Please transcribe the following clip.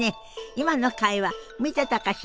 今の会話見てたかしら？